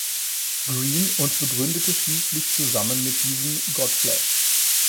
Green und begründete schließlich zusammen mit diesem Godflesh.